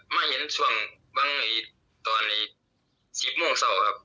มาเห็นส่วนตอน๑๐โมงเสาร์ครับ